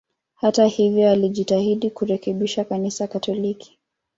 Hata hivyo, alijitahidi kurekebisha Kanisa Katoliki.